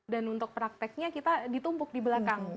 dan untuk prakteknya kita ditumpuk di belakang